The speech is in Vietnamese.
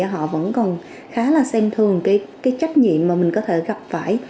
họ vẫn còn khá là xem thường cái trách nhiệm mà mình có thể gặp phải